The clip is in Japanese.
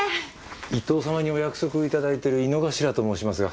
伊藤様にお約束いただいてる井之頭と申しますが。